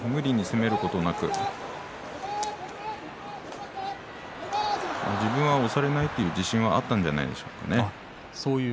無理に攻めることなく自分は押されないという自信はあったんじゃないでしょうかね。